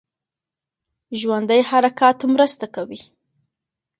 ژوندی حرکت مرسته کوي.